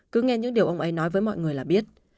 cứ nghe những điều ông ấy nói với mọi người là biết